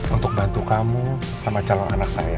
untuk bantu kamu sama calon anak saya